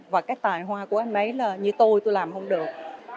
và cái tài hoa của anh ấy là như tôi tôi làm không được